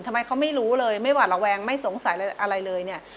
ทำไมเขาไม่รู้เลยไม่หวาดระแวงไม่สงสัยอะไรเลยเนี่ย